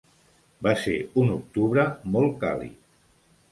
Va ser un octubre molt càlid.